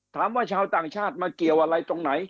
ชาวต่างชาติมาเกี่ยวอะไรตรงไหน